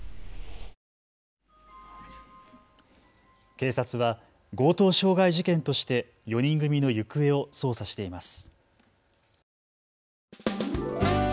警察は強盗傷害事件として４人組の行方を捜査しています。